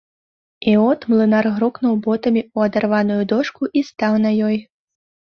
І от млынар грукнуў ботамі ў адарваную дошку і стаў на ёй.